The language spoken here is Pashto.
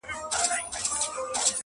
نه په طبیب سي نه په دعا سي٫